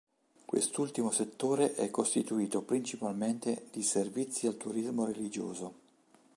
Quest'ultimo settore è costituito principalmente di servizi al turismo religioso.